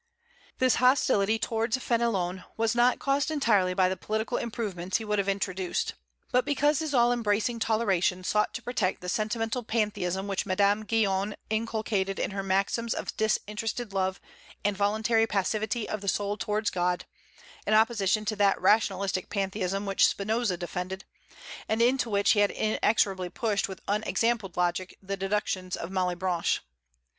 This hostility to Fénelon was not caused entirely by the political improvements he would have introduced, but because his all embracing toleration sought to protect the sentimental pantheism which Madame Guyon inculcated in her maxims of disinterested love and voluntary passivity of the soul towards God, in opposition to that rationalistic pantheism which Spinoza defended, and into which he had inexorably pushed with unexampled logic the deductions of Malebranche.